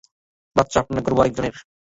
বাচ্চা আপনার, গর্ভ আরেকজনের?